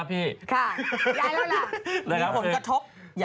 มีคนก็ช็อค